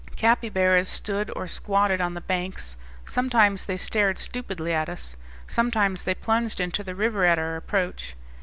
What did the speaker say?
Capybaras stood or squatted on the banks; sometimes they stared stupidly at us; sometimes they plunged into the river at our approach.